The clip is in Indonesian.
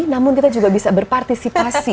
namun kita juga bisa berpartisipasi